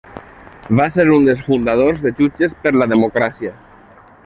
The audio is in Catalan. Va ser un dels fundadors de Jutges per la Democràcia.